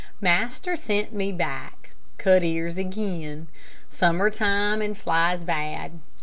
Master sent me back. Cut ears again. Summer time, and flies bad.